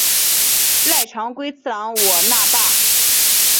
濑长龟次郎我那霸。